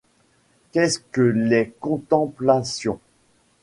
Qu’est-ce que les Contemplations ?